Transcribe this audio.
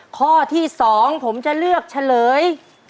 ข้อที่๒ผมจะเลือกเฉลย